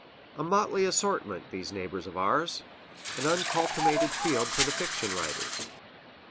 A motley assortment, these neighbors of ours, an uncultivated field for the fiction writers.